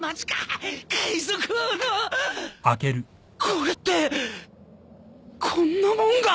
これってこんなもんが。